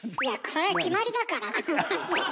それは決まりだから。